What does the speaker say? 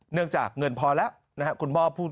เนื่องจากเงินพอแล้วนะฮะ